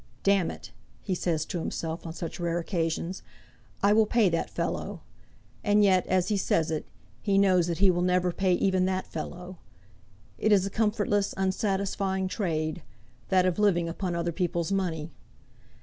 "D it," he says to himself on such rare occasions, "I will pay that fellow;" and yet, as he says it, he knows that he never will pay even that fellow. It is a comfortless unsatisfying trade, that of living upon other people's money.